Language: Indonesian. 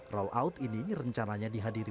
rollout ini rencananya dihadiri